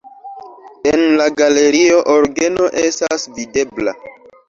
En la galerio orgeno estas videbla.